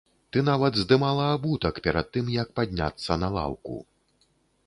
Ты нават здымала абутак перад тым, як падняцца на лаўку.